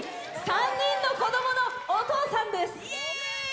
３人の子供のお父さんです。